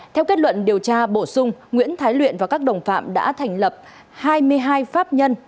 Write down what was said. theo kết luận điều tra bổ sung nguyễn thái luyện và các đồng phạm đã thành lập hai mươi hai pháp nhân